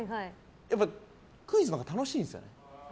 やっぱ、クイズのほうが楽しいんですよね。